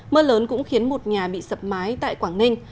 mưa lớn cũng khiến một nhà bị sập mái tại quảng ninh